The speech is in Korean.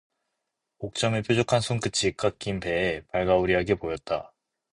옥점의 뾰족한 손끝이 깎인 배에 발가우리하게 보였다.